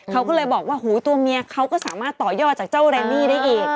เขาก็เลยบอกว่าหูตัวเมียเขาก็สามารถต่อยอดจากเจ้าแรมมี่ได้อีก